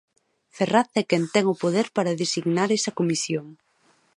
Ferraz é quen ten o poder para designar esa comisión.